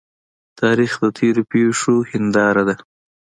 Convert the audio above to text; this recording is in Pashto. تاریخ د تیرو پیښو هنداره ده.